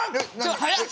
早っ！